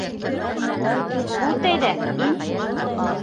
Үт, әйҙә, ин...